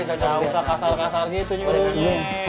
gak usah kasar kasar gitu nyuruhnya